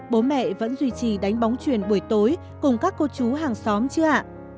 bố mẹ vẫn duy trì đánh bóng truyền buổi tối cùng các cô chú hàng xóm chưa ạ